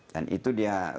dan itu dia